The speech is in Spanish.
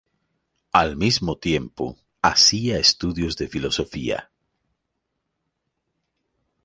Al mismo tiempo, hacía estudios de filosofía.